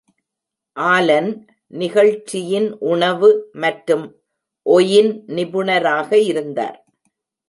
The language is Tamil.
ஆலன் நிகழ்ச்சியின் உணவு மற்றும் ஒயின் நிபுணராக இருந்தார்.